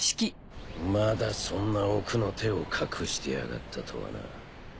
まだそんな奥の手を隠してやがったとはな。